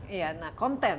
iya nah konten